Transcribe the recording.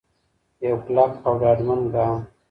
یو کلک او ډاډمن ګام.